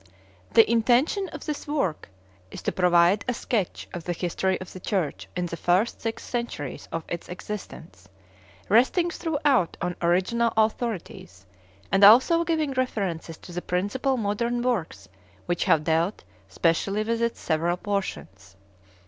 THE intention of this work is to provide a sketch of the History of the Church in the first six centuries of its existence, resting throughout on original authorities, and also giving references to the principal modern works which have dealt specially with its several portions.